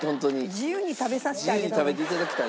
自由に食べさせてあげたい。